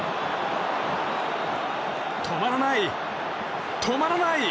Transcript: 止まらない、止まらない！